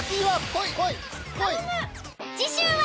次週は。